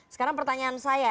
sekarang pertanyaan saya